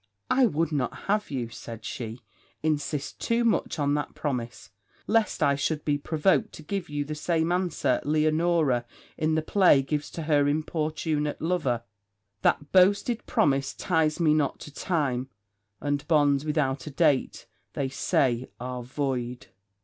'I would not have you,' said she, 'insist too much on that promise, lest I should be provoked to give you the same answer Leonora, in the play, gives to her importunate lover "That boasted promise ties me not to time; And bonds without a date, they say, are void."